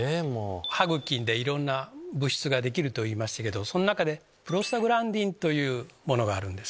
歯茎でいろんな物質ができると言いましたけどその中でプロスタグランジンというものがある。